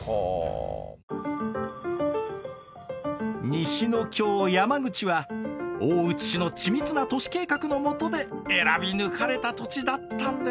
西の京山口は大内氏の緻密な都市計画の下で選び抜かれた土地だったんですね。